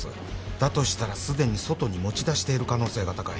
だとしたらすでに外に持ち出している可能性が高い。